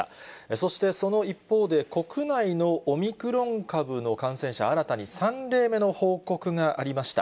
そしてその一方で、国内のオミクロン株の感染者、新たに３例目の報告がありました。